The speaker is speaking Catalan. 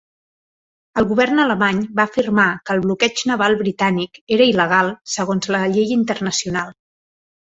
El govern alemany va afirmar que el bloqueig naval britànic era il·legal segons la llei internacional.